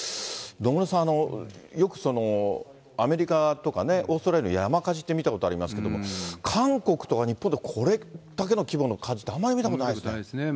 野村さん、よくその、アメリカとかオーストラリアの山火事って見たことありますが、韓国とか日本でこれだけの規模の火事ってあまり見たことないですないですね。